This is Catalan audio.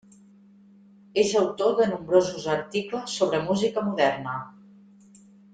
És autor de nombrosos articles sobre música moderna.